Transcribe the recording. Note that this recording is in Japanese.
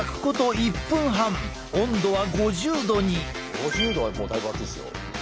５０℃はもうだいぶ熱いっすよ。